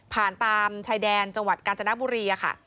ตามชายแดนจังหวัดกาญจนบุรีค่ะ